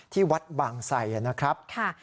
ที่วัดบางไสนะครับ